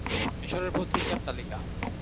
মিশরের পত্রিকার তালিকা